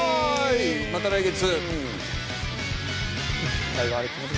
また来月。